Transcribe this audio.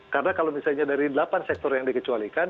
karena kalau misalnya dari delapan sektor yang dikecualikan